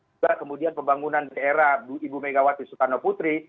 juga kemudian pembangunan daerah ibu megawati soekarno putri